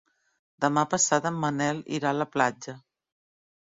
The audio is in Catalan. Demà passat en Manel irà a la platja.